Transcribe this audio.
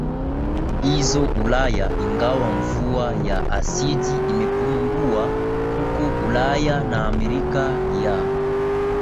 hizo Ulaya Ingawa mvua ya asidi imepungua huko Ulaya na Amerika ya